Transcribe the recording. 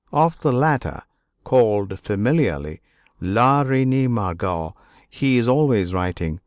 Of the latter, called familiarly "La Reine Margot," he is always writing.